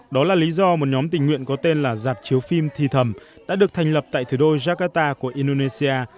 đó là lý do một nhóm tình nguyện có tên là giạp chiếu phim thi thầm đã được thành lập tại thủ đô jakarta của indonesia